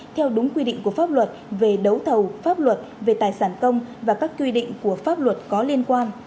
theo đúng quy định của pháp luật về đấu thầu pháp luật về tài sản công và các quy định của pháp luật có liên quan